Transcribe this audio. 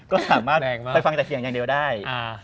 ก็สามารถไปฟังแต่เสียงอย่างเดียวได้